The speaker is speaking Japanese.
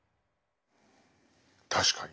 確かに。